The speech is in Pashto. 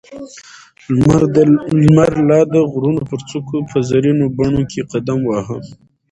لمر لا د غرونو پر څوکو په زرينو پڼو کې قدم واهه.